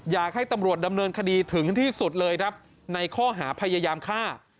อยากให้ตำรวจดำเนินคดีถึงที่สุดเลยครับในข้อหาพยายามฆ่า